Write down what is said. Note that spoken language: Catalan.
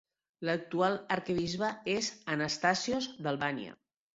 L'actual arquebisbe és Anastasios d'Albània.